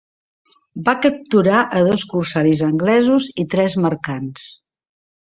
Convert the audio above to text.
Va capturar a dos corsaris anglesos i tres mercants.